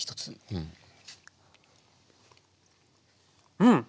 うん！